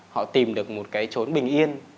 họ tìm được một cái trốn bình yên